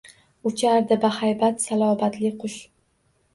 Uchardi bahaybat, salobatli qush.